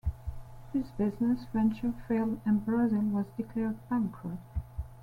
This business venture failed and Brazil was declared bankrupt.